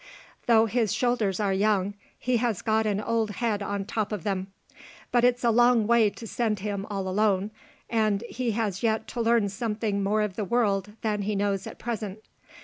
Though his shoulders are young, he has got an old head on the top of them; but it's a long way to send him all alone, and he has yet to learn something more of the world than he knows at present.